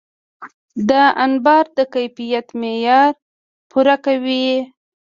دا انبار د کیفیت معیار پوره کوي.